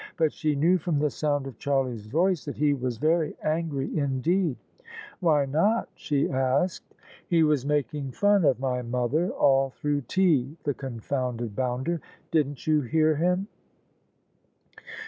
But she knew from the sound of Charlie's voice that he was very angry indeed. "Why not?" she asked. " He was making fun of my mother all through tea, the confounded bounder! Didn't you hear him?